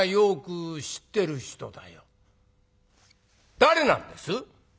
「誰なんです？」。